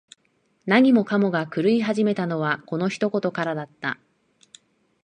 何もかもが狂い始めたのは、この一言からだった。